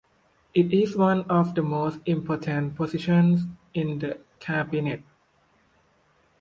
It is one of the most important positions in the Cabinet.